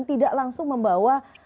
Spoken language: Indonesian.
tidak langsung membawa